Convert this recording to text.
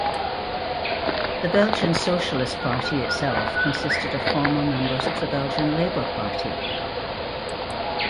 The Belgian Socialist Party itself consisted of former members of the Belgian Labour Party.